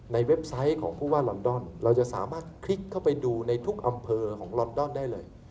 เว็บไซต์ของผู้ว่าลอนดอนเราจะสามารถคลิกเข้าไปดูในทุกอำเภอของลอนดอนได้เลย